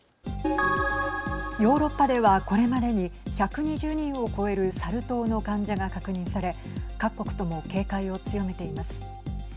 ヨーロッパでは、これまでに１２０人を超えるサル痘の患者が確認され各国とも警戒を強めています。